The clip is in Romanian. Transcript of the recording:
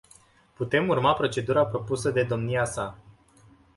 Putem urma procedura propusă de domnia sa.